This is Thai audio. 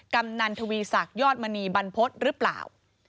กำนันทวีศักดิ์ยอดมณีบรรพฤษหรือเปล่า